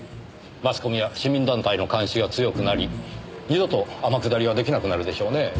マスコミや市民団体の監視が強くなり二度と天下りは出来なくなるでしょうねぇ。